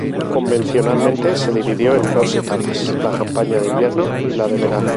Convencionalmente se dividió en dos etapas: la campaña de invierno y la de verano.